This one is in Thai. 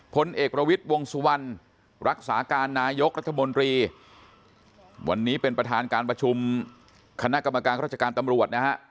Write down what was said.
พลเอกประวิทย์วงสุวรรณรักษาการนายกรัฐมนตรีวันนี้เป็นประธานการประชุมคณะกรรมการราชการตำรวจนะฮะ